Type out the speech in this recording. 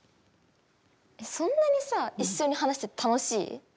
そんなにさ一緒に話してて楽しい？